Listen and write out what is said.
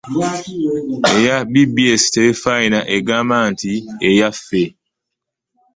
Eya BBS terefayina egamba nti eyaffe .